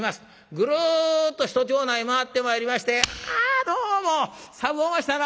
ぐるっと一町内回ってまいりまして「あどうも寒うおましたな。